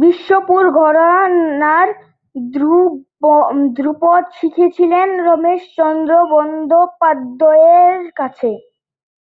বিষ্ণুপুর ঘরানার ধ্রুপদ শিখেছিলেন রমেশচন্দ্র বন্দ্যোপাধ্যায়ের কাছে।